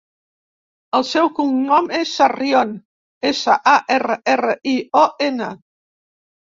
El seu cognom és Sarrion: essa, a, erra, erra, i, o, ena.